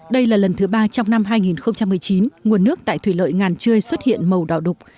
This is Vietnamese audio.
đây là lần thứ ba trong năm hai nghìn một mươi chín nguồn nước tại thủy lợi ngàn trươi xuất hiện màu đỏ đục